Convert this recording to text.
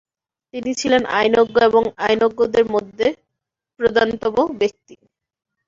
তিনি ছিলেন আইনজ্ঞ এবং আইনজ্ঞদের মধ্যে প্রধানতম ব্যক্তি।